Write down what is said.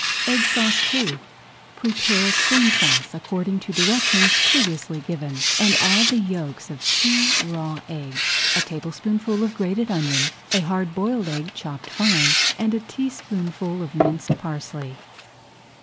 EGG SAUCE II Prepare a Cream Sauce according to directions previously given, and add the yolks of two raw eggs, a tablespoonful of grated onion, a hard boiled egg, chopped fine, and a teaspoonful of minced parsley.